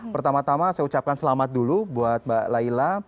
pertama tama saya ucapkan selamat dulu buat mbak layla